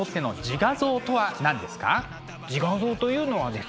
自画像というのはですね